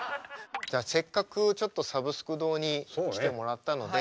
じゃあせっかくちょっとサブスク堂に来てもらったので。